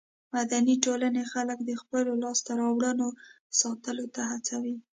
مدني ټولنې خلک د خپلو لاسته راوړنو ساتلو ته هڅوي.